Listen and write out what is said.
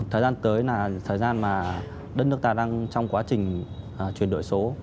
thời gian tới là thời gian mà đất nước ta đang trong quá trình chuyển đổi số